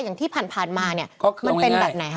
อย่างที่ผ่านมาเนี่ย